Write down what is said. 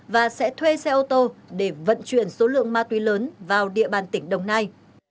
và sẽ thuê xe ô tô để vận chuyển số lượng ma túy lớn vào địa bàn tỉnh đồng nai